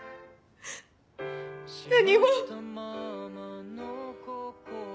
何も。